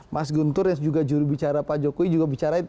mas guntur yang juga juru bicara pak jokowi juga bicara itu